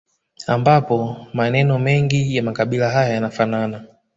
Ambapo maneno mengi ya makabila haya yanafanana